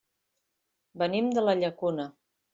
Venim de la Llacuna.